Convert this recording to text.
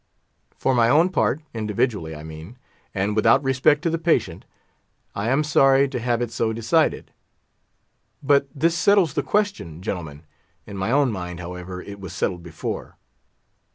For my own part—individually, I mean, and without respect to the patient—I am sorry to have it so decided. But this settles the question, gentlemen—in my own mind, however, it was settled before.